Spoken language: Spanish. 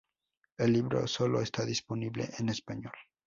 El libro solo está disponible en español.